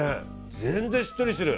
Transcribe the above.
全然しっとりしてる。